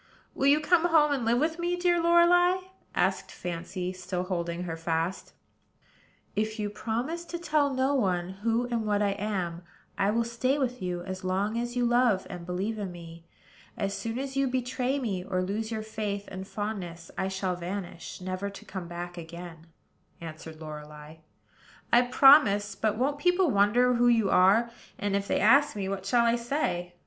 "Will you come home and live with me, dear Lorelei?" asked Fancy, still holding her fast. "If you will promise to tell no one who and what I am, I will stay with you as long as you love and believe in me. As soon as you betray me, or lose your faith and fondness, I shall vanish, never to come back again," answered Lorelei. "I promise: but won't people wonder who you are? and, if they ask me, what shall I say?"